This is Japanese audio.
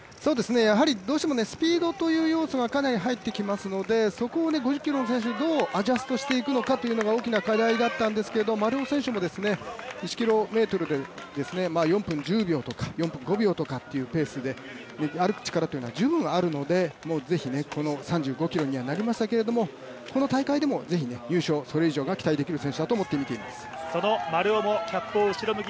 やはりどうしてもスピードという要素がかなり入ってきますのでそこを５０ｋｍの選手にどうアジャストしていくのかというのが大きな課題だったんですけど丸尾選手も１ｋｍで４分１０秒とか５秒というペースで歩く力というのは十分あるので、是非この３５ｋｍにはなりましたけれどもこの大会でもぜひ入賞それ以上が期待できる選手だと思ってみています。